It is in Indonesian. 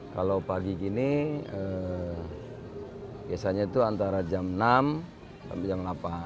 kalau pagi gini biasanya itu antara jam enam sampai jam delapan